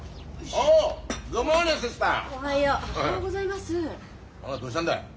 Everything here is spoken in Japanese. おうどうしたんだい？